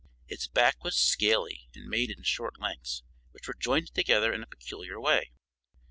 Its back was scaly and made in short lengths, which were jointed together in a peculiar way.